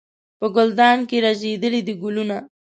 په ګلدان کې رژېدلي دي ګلونه